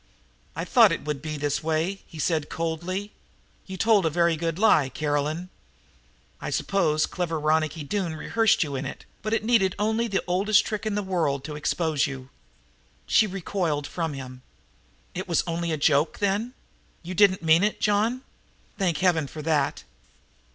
"I thought it would be this way," he said coldly. "You told a very good lie, Caroline. I suppose clever Ronicky Doone rehearsed you in it, but it needed only the oldest trick in the world to expose you." She recoiled from him. "It was only a joke, then? You didn't mean it, John? Thank Heaven for that!"